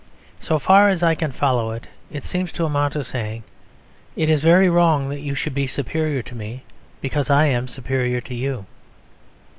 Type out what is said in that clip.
So far as I can follow it, it seems to amount to saying "It is very wrong that you should be superior to me, because I am superior to you."